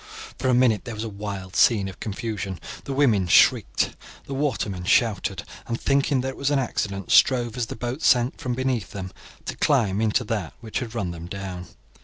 For a minute there was a wild scene of confusion; the women shrieked, the watermen shouted, and, thinking that it was an accident, strove, as the boat sank from under them, to climb into that which had run them down.